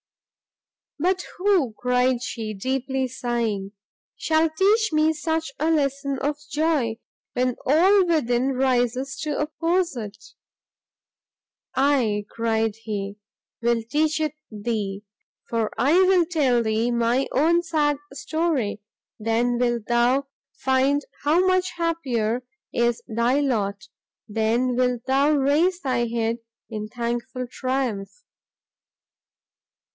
"But who," cried she, deeply sighing, "shall teach me such a lesson of joy, when all within rises to oppose it?" "I," cried he, "will teach it thee, for I will tell thee my own sad story. Then wilt thou find how much happier is thy lot, then wilt thou raise thy head in thankful triumph."